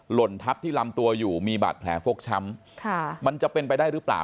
หล่นทับที่ลำตัวอยู่มีบาดแผลฟกช้ำค่ะมันจะเป็นไปได้หรือเปล่า